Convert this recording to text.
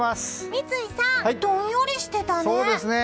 三井さん、どんよりしてたね。